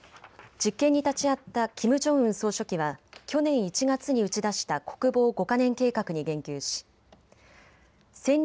実験に立ち会ったキム・ジョンウン総書記は去年１月に打ち出した国防５か年計画に言及し戦略